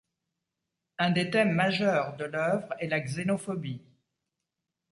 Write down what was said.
Un des thèmes majeurs de l’œuvre est la xénophobie.